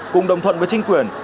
cùng đồng thuận với chính quyền